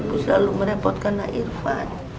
ibu selalu merepotkan anak irfan